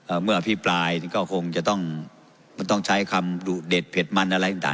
เมื่ออภิปรายก็คงจะต้องมันต้องใช้คำดูเด็ดเผ็ดมันอะไรต่างต่าง